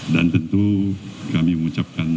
dan tentu kami mengucapkan